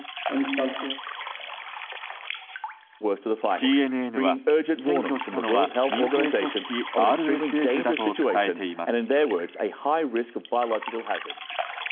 ＣＮＮは占拠したのは民兵組織ＲＳＦだと伝えています。